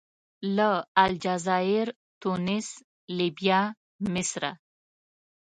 له الجزایر، تونس، لیبیا، مصره.